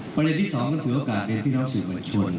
ประเด็นที่สองก็ถือโอกาสเรียนพี่น้องสื่อมวลชน